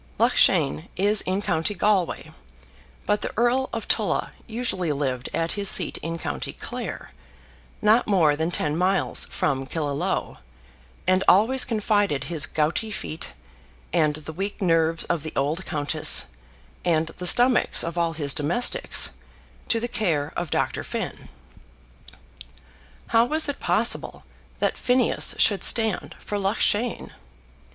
Loughshane is in county Galway, but the Earl of Tulla usually lived at his seat in county Clare, not more than ten miles from Killaloe, and always confided his gouty feet, and the weak nerves of the old countess, and the stomachs of all his domestics, to the care of Dr. Finn. How was it possible that Phineas should stand for Loughshane?